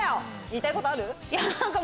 言いたいことある？